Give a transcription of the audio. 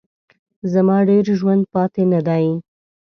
زما ډېر ژوند پاته نه دی.